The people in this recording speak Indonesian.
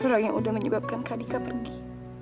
seolah olah yang udah menyebabkan kadika pergi